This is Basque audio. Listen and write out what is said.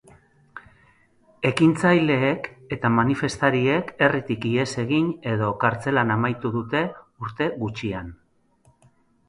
Ekintzaileek eta manifestariek herritik ihes egin edo kartzelan amaitu dute urte gutxian.